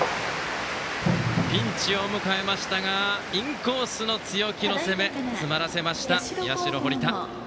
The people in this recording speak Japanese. ピンチを迎えましたがインコースの強気の攻めで詰まらせました、社の堀田。